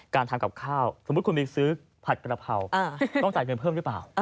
การทำกับข้าวสมมุติคุณไปซื้อผัดกระเพราต้องจ่ายเงินเพิ่มหรือเปล่า